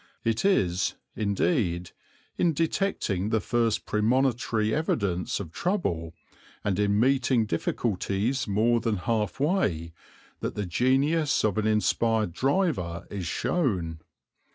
It is, indeed, in detecting the first premonitory evidence of trouble, and in meeting difficulties more than half way, that the genius of an inspired driver is shown.